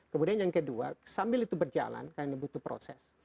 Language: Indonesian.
kemudian yang kedua sambil itu berjalan karena butuh proses